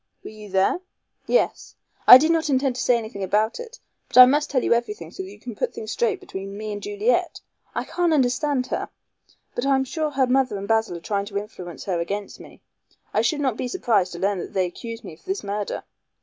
"Were you there?" "Yes. I did not intend to say anything about it, but I must tell you everything so that you can put things straight between me and Juliet. I can't understand her. But I am sure her mother and Basil are trying to influence her against me. I should not be surprised to learn that they accused me of this murder."